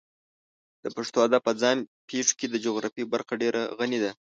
د پښتو ادب په ځان پېښو کې د جغرافیې برخه ډېره غني ده.